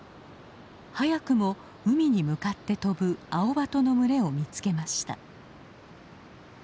早くも海に向かって飛ぶアオバトの群れを見つけました。